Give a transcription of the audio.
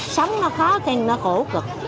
sống nó khó khăn nó khổ cực